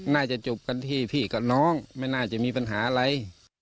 น่าจะจบกันที่พี่กับน้องไม่น่าจะมีปัญหาอะไร